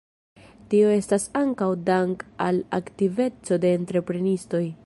Tio estas ankaŭ dank al aktiveco de entreprenistoj.